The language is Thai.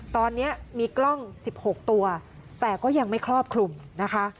ตอนนี้มีกล้อง๑๖ตัวแต่ก็ยังไม่ครอบคลุมนะคะ